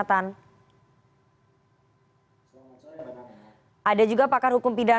kita sudah menunggu dari pagi